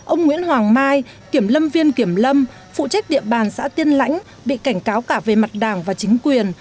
ông nguyễn hoàng mai kiểm lâm viên kiểm lâm phụ trách địa bàn xã tiên lãnh bị cảnh cáo cả về mặt đảng và chính quyền